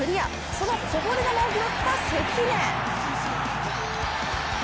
そのこぼれ球を拾った関根。